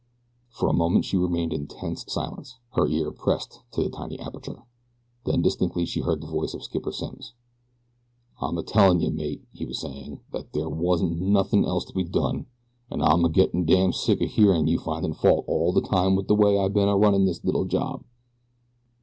For a moment she remained in tense silence, her ear pressed to the tiny aperture. Then, distinctly, she heard the voice of Skipper Simms. "I'm a tellin' you, man," he was saying, "that there wan't nothin' else to be done, an' I'm a gettin' damn sick o' hearin' you finding fault all the time with the way I been a runnin' o' this little job."